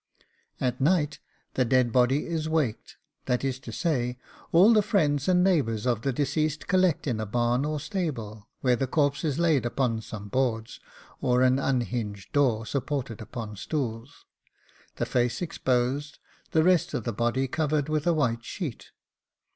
At night the dead body is waked, that is to say, all the friends and neighbours of the deceased collect in a barn or stable, where the corpse is laid upon some boards, or an unhinged door, supported upon stools, the face exposed, the rest of the body covered with a white sheet.